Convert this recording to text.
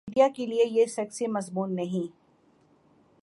Media کیلئے یہ sexy مضمون نہیں۔